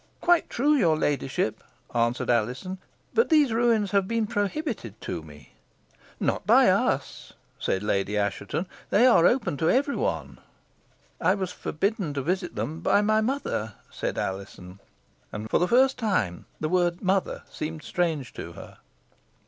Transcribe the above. "Quite true, your ladyship," answered Alizon; "but these ruins have been prohibited to me." "Not by us," said Lady Assheton; "they are open to every one." "I was forbidden to visit them by my mother," said Alizon. And for the first time the word "mother" seemed strange to her.